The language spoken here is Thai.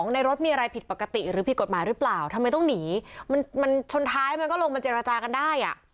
ในรถมีอะไรผิดปกติหรือผิดกฎหมายหรือเปล่าทำไมต้องหนีมันมันชนท้ายมันก็ลงมาเจรจากันได้อ่ะ